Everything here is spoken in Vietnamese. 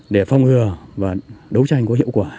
để phong hừa và đấu tranh có hiệu quả